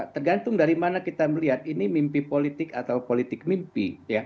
tergantung dari mana kita melihat ini mimpi politik atau politik mimpi